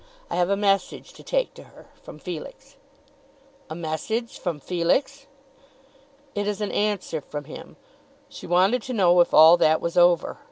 I have a message to take to her, from Felix." "A message from Felix." "It is an answer from him. She wanted to know if all that was over.